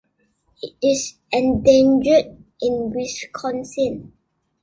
It is endangered in Wisconsin.